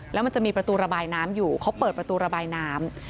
แล้วมันจะมีประตูระบายน้ำอยู่เขาเปิดประตูระบายน้ำ